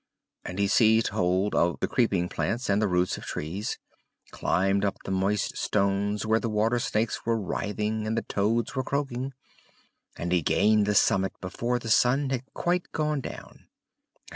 And he seized hold of the creeping plants, and the roots of trees climbed up the moist stones where the water snakes were writhing and the toads were croaking and he gained the summit before the sun had quite gone down.